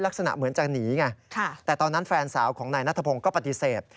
ลักษณะเหมือนจะหนีไงแต่ตอนนั้นแฟนสาวของนายนัทพงศ์ก็ปฏิเสธ